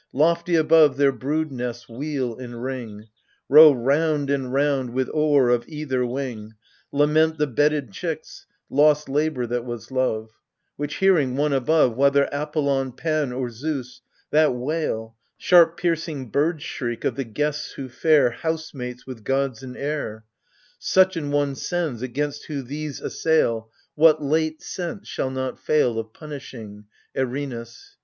Lofty above their brood nests wheel in ring. Row round and round with oar of either wing, Lament the bedded chicks, lost labour that was love Which hearing, one above — Whether Apollon, Pan or Zeus — that wail, Sharp piercing bird shriek of the guests who fare Housemates with gods in air — Suchanone sends, against who these assail, AGAMEMNON. What, late sent, shall not fail Of punishing — Erinus.